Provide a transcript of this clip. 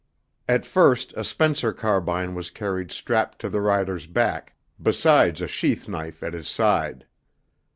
At first a Spencer carbine was carried strapped to the rider's back, besides a sheath knife at his side.